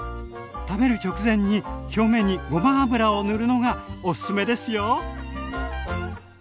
食べる直前に表面にごま油を塗るのがおすすめですよ！